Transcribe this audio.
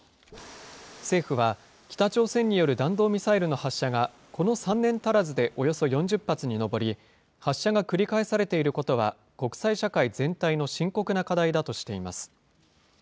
政府は、北朝鮮による弾道ミサイルの発射が、この３年足らずでおよそ４０発に上り、発射が繰り返されていることは、国際社会全体の深刻な課題だとしています。